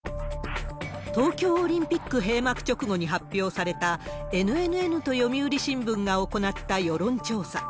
東京オリンピック閉幕直後に発表された、ＮＮＮと読売新聞が行った世論調査。